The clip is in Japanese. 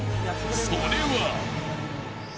それは。